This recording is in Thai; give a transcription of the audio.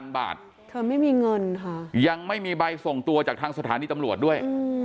เธอไม่มีเงินค่ะยังไม่มีใบส่งตัวจากทางสถานีตำรวจด้วย